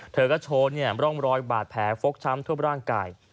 เธอก็โชว์ร่องรอยบาดแผลฟกช้ำทั่วร่างกาย